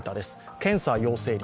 検査陽性率。